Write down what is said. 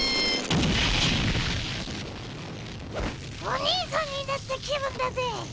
おにいさんになった気分だぜ。